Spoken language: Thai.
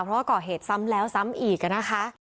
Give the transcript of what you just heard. เพราะว่าก่อเหตุซ้ำแล้วซ้ำอีกนะคะ